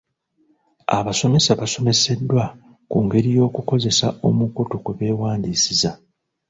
Abasomesa basomeseddwa ku ngeri y'okukozesa omukutu kwe beewandiisiza.